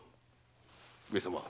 上様